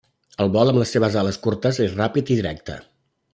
El vol amb les seves ales curtes és ràpid i directe.